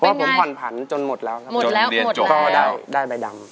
เมื่อไม่กี่เดือนที่ผ่านมาผมก็เพิ่งไปจับใบดำใบแดงมา